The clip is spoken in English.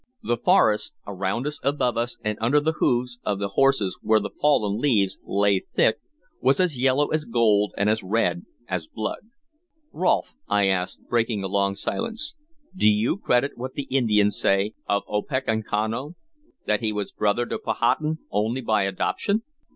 The forest around us, above us, and under the hoofs of the horses where the fallen leaves lay thick was as yellow as gold and as red as blood. "Rolfe," I asked, breaking a long silence, "do you credit what the Indians say of Opechancanough?" "That he was brother to Powhatan only by adoption?"